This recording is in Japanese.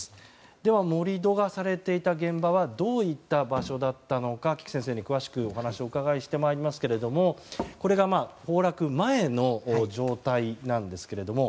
では、盛り土がされていた現場はどういった場所だったのか規矩先生に詳しくお話を伺ってまいりますけどもこれが崩落前の状態なんですけれども。